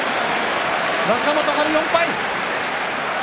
若元春、４敗。